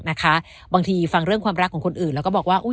บางทีฟังเรื่องความรักของคนอื่นแล้วก็บอกว่าอุ้ย